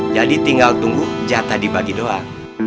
jadi tinggal tunggu jatah dibagi doang